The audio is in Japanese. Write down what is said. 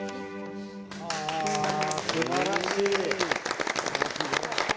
すばらしい。